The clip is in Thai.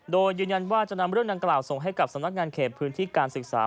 โดยยืนยันว่าจะนำเรื่องดังกล่าวส่งให้กับสำนักงานเขตพื้นที่การศึกษา